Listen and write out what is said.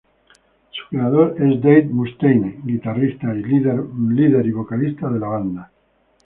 Su creador es Dave Mustaine, guitarrista líder y vocalista de la banda.